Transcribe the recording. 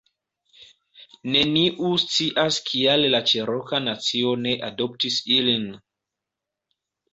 Neniu scias kial la Ĉeroka nacio ne adoptis ilin